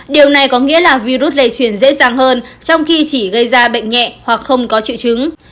điều này có nghĩa là virus lây truyền dễ dàng hơn trong khi chỉ gây ra bệnh nhẹ hoặc không có triệu chứng